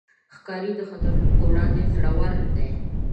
ښکاري د خطرونو پر وړاندې زړور دی.